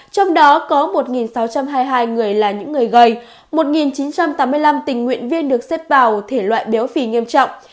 trong đó có một sáu trăm hai mươi hai người là những người gầy một chín trăm tám mươi năm tình nguyện viên được xếp vào thể loại béo phì nghiêm trọng